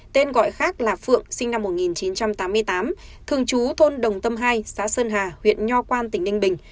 tên gọi khác là phượng sinh năm một nghìn chín trăm tám mươi tám thường trú thôn đồng tâm hai xã sơn hà huyện nho quan tỉnh ninh bình